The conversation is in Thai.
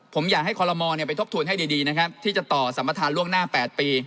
ผมอยากให้คอลโลมอลไปทบทวนให้ดีนะครับที่จะต่อสัมประธานล่วงหน้า๘ปี